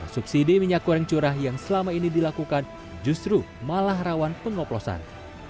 subsidi minyak goreng curah yang selama ini dilakukan justru malah rawan pengoplosan